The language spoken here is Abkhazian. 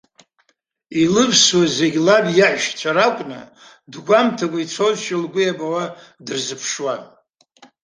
Илывсуаз зегьы лаб иаҳәшьцәа ракәны, дгәамҭакәа ицозшәа лгәы иабауа дырзыԥшуан.